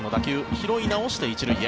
拾い直して１塁へ。